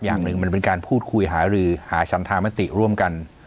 อย่างหนึ่งมันเป็นการพูดคุยหารือหาฉันธามติร่วมกัน